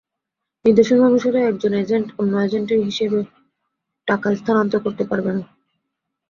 নির্দেশনা অনুসারে একজন এজেন্ট অন্য এজেন্টের হিসাবে টাকা স্থানান্তর করতে পারবেন না।